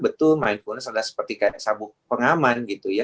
betul mindfulness adalah seperti kayak sabuk pengaman gitu ya